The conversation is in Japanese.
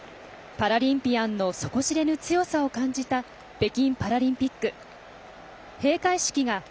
パラリンピアンの底知れぬ強さを感じた北京パラリンピック。